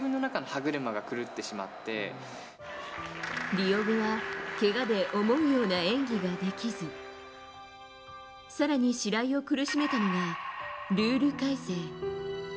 リオ後はけがで思うような演技ができず更に白井を苦しめたのがルール改正。